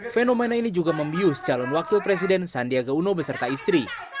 fenomena ini juga membius calon wakil presiden sandiaga uno beserta istri